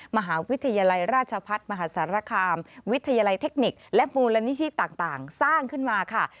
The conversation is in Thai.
มหาวิทยาลัยราชพัฒน์มหาสารคามวิทยาลัยเทคนิคและมูลนิธิต่างสร้างขึ้นมาค่ะ